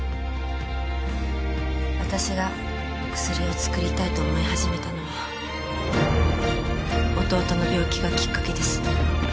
私が薬を作りたいと思い始めたのは弟の病気がきっかけです